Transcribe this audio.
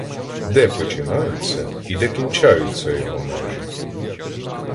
Де починаються і де кінчаються його межі?